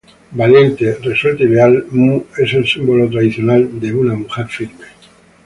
Valiente, resuelta y leal, Mu es el símbolo tradicional de mujer firme.